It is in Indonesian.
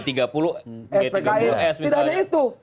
tidak ada itu